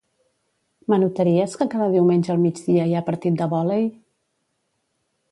M'anotaries que cada diumenge al migdia hi ha partit de vòlei?